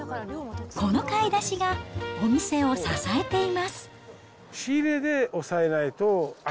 この買い出しが、お店を支えています。